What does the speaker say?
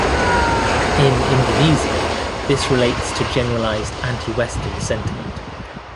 In Indonesia this relates to generalised anti-Western sentiment.